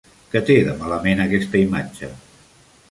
Què té de malament aquesta imatge?